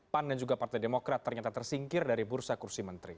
pan dan juga partai demokrat ternyata tersingkir dari bursa kursi menteri